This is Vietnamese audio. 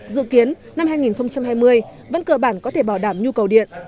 dự kiến năm hai nghìn hai mươi vẫn cơ bản có thể bảo đảm nhu cầu điện